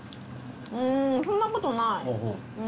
うーんそんなことない。